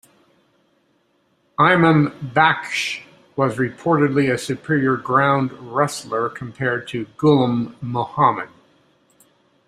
Imam Baksh was reportedly a superior ground wrestler compared to Ghulam Muhammad.